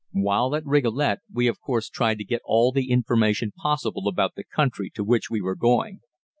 While at Rigolet we of course tried to get all the information possible about the country to which we were going.